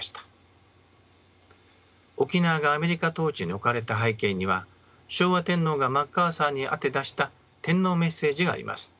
沖縄がアメリカ統治に置かれた背景には昭和天皇がマッカーサーに宛て出した天皇メッセージがあります。